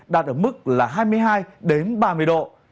đạt ở mức là hai mươi hai đến ba mươi độ